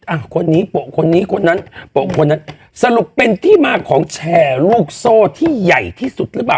อ่ะคนนี้โปะคนนี้คนนั้นโปะคนนั้นสรุปเป็นที่มาของแชร์ลูกโซ่ที่ใหญ่ที่สุดหรือเปล่า